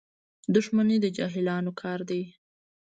• دښمني د جاهلانو کار دی.